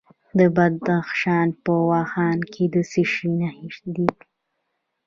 د بدخشان په واخان کې د څه شي نښې دي؟